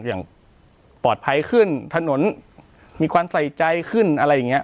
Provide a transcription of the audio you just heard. อย่างปลอดภัยขึ้นถนนมีความใส่ใจขึ้นอะไรอย่างเงี้